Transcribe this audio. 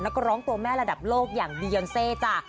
นักร้องตัวแม่ระดับโลกอย่างดียอนเซจ้ะ